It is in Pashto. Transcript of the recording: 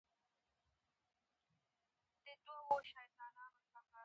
سوالګر ته د چا زړه درد دوا ده